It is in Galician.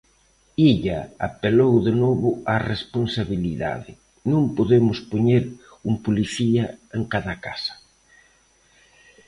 Illa apelou de novo á responsabilidade: "Non podemos poñer un policía en cada casa".